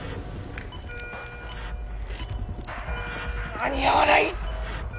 間に合わない！